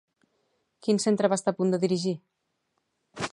Quin centre va estar a punt de dirigir?